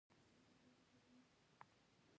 ستونزې لاندیني قشرونه څېړي